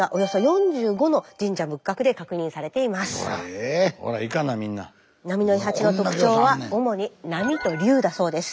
波の伊八の特徴は主に波と竜だそうです。